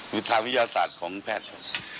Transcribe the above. วิทยาลามพยาศาสตร์ของแพทย์